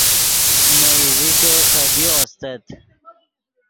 نے ایزیکے خدیو استت